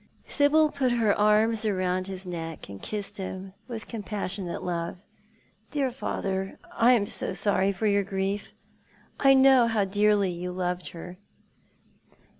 Sibyl put her arms round his neck, and kissed him with compassionate love. " Dear father, I am so sorry for your grief. I know how dearly you loved her."